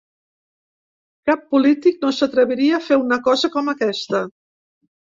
Cap polític no s'atreviria a fer una cosa com aquesta.